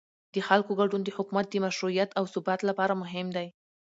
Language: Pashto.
د خلکو ګډون د حکومت د مشروعیت او ثبات لپاره مهم دی